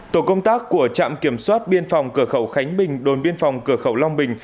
tổ công tác của trạm kiểm soát biên phòng cửa khẩu khánh bình đồn biên phòng cửa khẩu long bình